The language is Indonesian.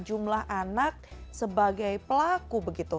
jumlah anak sebagai pelaku